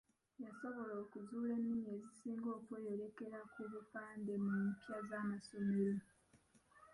Yasobola okuzuula ennimi ezisinga okweyolekera ku bupande mu mpya z'amasomero.